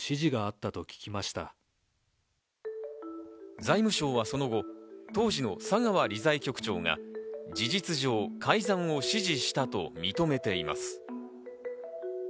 財務省はその後、当時の佐川理財局長が、改ざんを指示したと認めています。